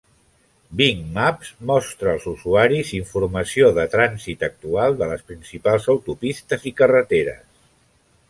Bing Maps mostra als usuaris informació de trànsit actual de les principals autopistes i carreteres.